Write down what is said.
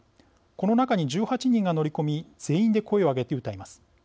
この中に１８人が乗り込み全員で声を上げて謡います。